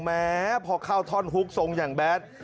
แม้พอเข้าท่อนฮุกทรงอย่างแบด